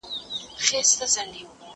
زه اجازه لرم چي جواب ورکړم!؟